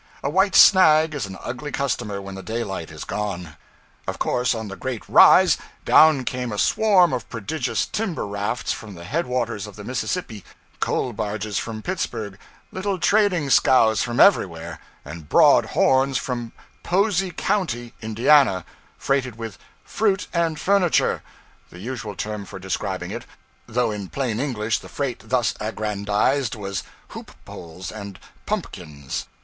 A white snag is an ugly customer when the daylight is gone. Of course, on the great rise, down came a swarm of prodigious timber rafts from the head waters of the Mississippi, coal barges from Pittsburgh, little trading scows from everywhere, and broad horns from 'Posey County,' Indiana, freighted with 'fruit and furniture' the usual term for describing it, though in plain English the freight thus aggrandized was hoop poles and pumpkins.